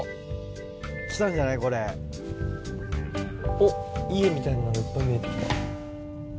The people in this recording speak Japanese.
おっ家みたいなのいっぱい見えて来た。